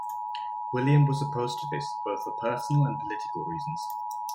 William was opposed to this both for personal and political reasons.